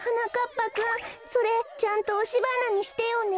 ぱくんそれちゃんとおしばなにしてよね。